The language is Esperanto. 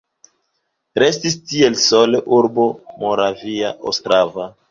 Restis tiel sole urbo Moravia Ostrava.